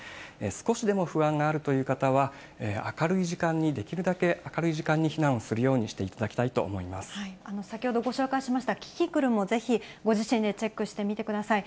少しでも不安があるという方は、明るい時間に、できるだけ明るい時間に、避難をするようにしていただきたいと思先ほどご紹介しましたキキクルも、ぜひご自身でチェックしてみてください。